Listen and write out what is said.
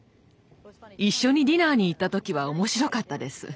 一緒にディナーに行った時は面白かったです。